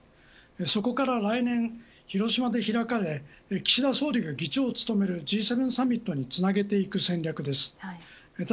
そこから来年広島で開かれ、岸田総理が議長を務めるＧ７サミットにつなげていく戦略です。